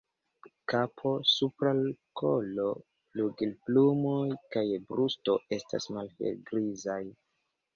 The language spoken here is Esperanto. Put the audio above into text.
Kapo, supra kolo, flugilplumoj kaj brusto estas malhelgrizaj.